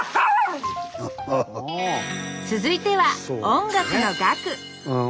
続いては音楽の「楽」！